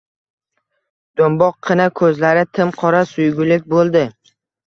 Do`mboqqina, ko`zlari tim qora suygulik bo`ldi